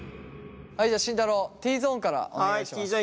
はいじゃあ慎太郎Ｔゾーンからお願いします。